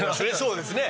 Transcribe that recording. そうですね。